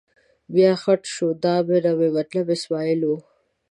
بیا خټ شو، دا نه مې مطلب اسمعیل و.